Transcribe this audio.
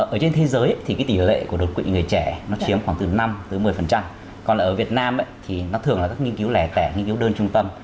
ở trên thế giới thì cái tỷ lệ của đột quỵ người trẻ nó chiếm khoảng từ năm một mươi còn ở việt nam thì nó thường là các nghiên cứu lẻ tẻ nghiên cứu đơn trung tâm